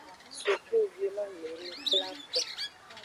Sukluvi lo le enu kplako.